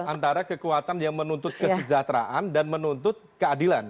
antara kekuatan yang menuntut kesejahteraan dan menuntut keadilan